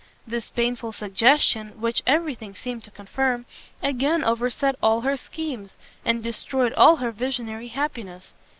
This painful suggestion, which every thing seemed to confirm, again overset all her schemes, and destroyed all her visionary happiness.